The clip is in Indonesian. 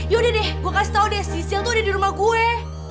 yaudah deh gue kasih tau deh cicil tuh ada di rumah gue